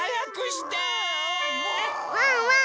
ワンワン